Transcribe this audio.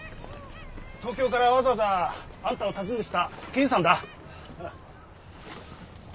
東京からわざわざあんたを訪ねてきた刑事さんだ